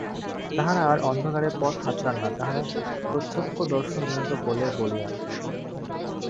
তাঁহারা আর অন্ধকারে পথ হাতড়ান না, তাঁহারা প্রত্যক্ষদর্শনজনিত বলে বলীয়ান্।